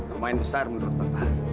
lumayan besar menurut papa